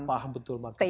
paham betul marketnya